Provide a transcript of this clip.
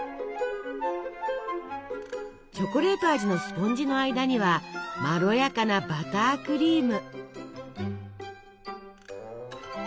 チョコレート味のスポンジの間にはまろやかなバタークリーム。